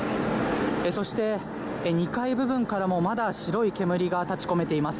そして２階部分からもまだ白い煙が立ち込めています。